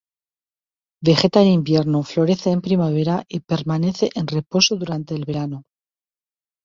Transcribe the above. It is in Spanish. Vegeta en invierno, florece en primavera y permanece en reposo durante el verano.